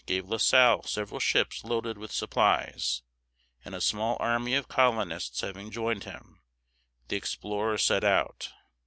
gave La Salle several ships loaded with supplies; and a small army of colonists having joined him, the explorer set out.